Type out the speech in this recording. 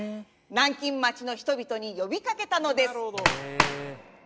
南京町の人々に呼びかけたのです！